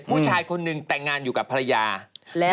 ผู้ชายคนหนึ่งแต่งงานอยู่กับภรรยา